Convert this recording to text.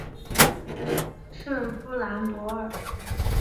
圣夫兰博尔。